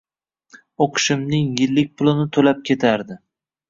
Oʻqishimning yillik pulini toʻlab ketardi.